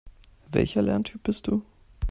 Welcher Lerntyp bist du?